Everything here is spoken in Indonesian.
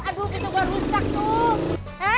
aduh pintu gue rusak tuh